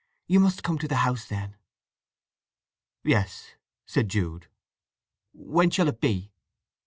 You must come to the house then." "Yes!" said Jude. "When shall it be?"